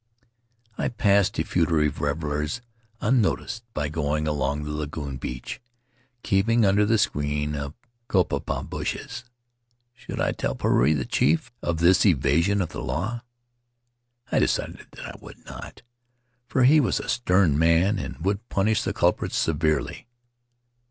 , I passed the furtive revelers unnoticed by going along the lagoon beach, keeping under the screen of kopapa bushes. Should I tell Puarei, the chief, of this evasion of the law? I decided that I would not, for he was a stern man and would punish the culprits severely.